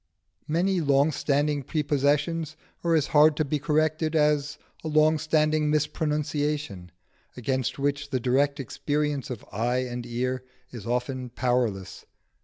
Many long standing prepossessions are as hard to be corrected as a long standing mispronunciation, against which the direct experience of eye and ear is often powerless.